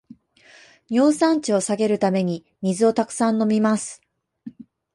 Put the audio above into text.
尿酸値を下げるために水をたくさん飲みます